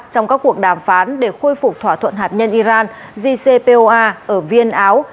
trong các cuộc đàm phán để khôi phục thỏa thuận hạt nhân iran jcpoa ở viên áo